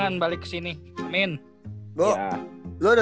karena kita udah berharap